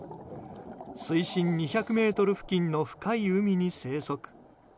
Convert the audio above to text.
水深２００ｍ付近の深い海に生息。